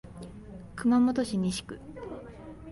熊本市西区